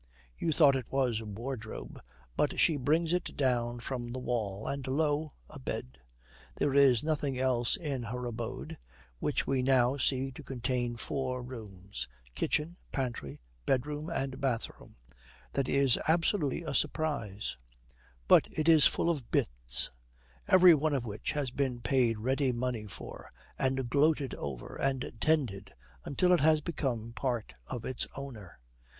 You thought it was a wardrobe, but she brings it down from the wall; and lo, a bed. There is nothing else in her abode (which we now see to contain four rooms kitchen, pantry, bedroom, and bathroom) that is absolutely a surprise; but it is full of 'bits,' every one of which has been paid ready money for, and gloated over and tended until it has become part of its owner.